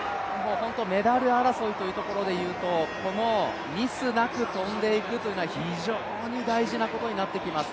メダル争いというところで言うと、このミスなく跳んでいくというのは非常に大事なことになってきます。